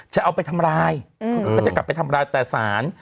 จะเอาไปทำร้ายเขาจะกลับไปทำร้ายแต่สาร